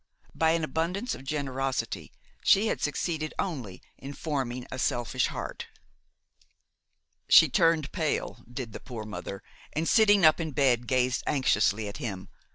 By an abundance of generosity she had succeeded only in forming a selfish heart. She turned pale, did the poor mother, and, sitting up in bed, gazed anxiously at him.